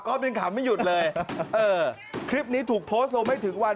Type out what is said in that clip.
ก็เป็นขำไม่หยุดเลยคลิปนี้ถูกโพสต์โดยไม่ถึงวัน